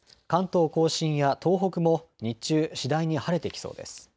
関東甲信や東北も日中、次第に晴れてきそうです。